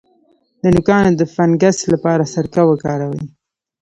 د نوکانو د فنګس لپاره سرکه وکاروئ